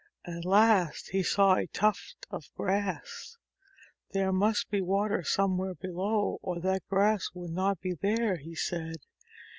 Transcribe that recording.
At last he saw a tuft of grass. "There must be water somewhere below, or that grass would not be there," he said.